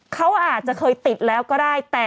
เขาอาจจะเคยติดแล้วก็ได้